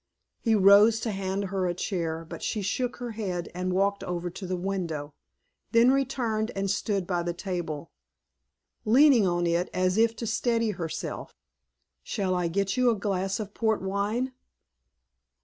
He rose to hand her a chair, but she shook her head and walked over to the window, then returned and stood by the table, leaning on it as if to steady herself. "Shall I get you a glass of port wine?"